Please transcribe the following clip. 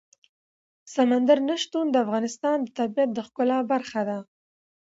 سمندر نه شتون د افغانستان د طبیعت د ښکلا برخه ده.